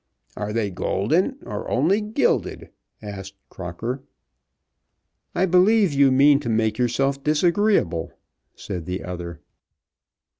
"Are they golden or only gilded?" asked Crocker. "I believe you mean to make yourself disagreeable," said the other.